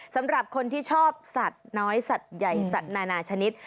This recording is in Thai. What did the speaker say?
สำหรับคนที่ชอบสัตว์น้อยสัตว์ใหญ่สัตว์นานาชนิด